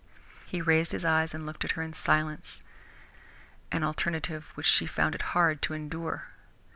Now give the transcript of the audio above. He raised his eyes and looked at her in silence, an alternative which she found it hard to endure.